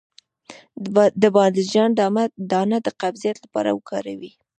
د بانجان دانه د قبضیت لپاره وکاروئ